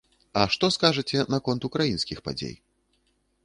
А што скажаце наконт украінскіх падзей?